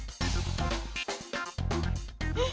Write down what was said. えっ。